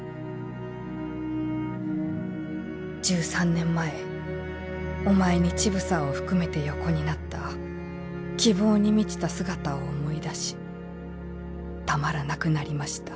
「１３年前お前に乳房を含めて横になった希望に満ちた姿を思い出したまらなくなりました」。